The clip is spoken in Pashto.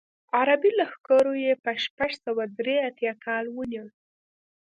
عربي لښکرو یې په شپږ سوه درې اتیا کال ونیو.